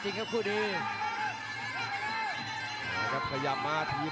จังหวาดึงซ้ายตายังดีอยู่ครับเพชรมงคล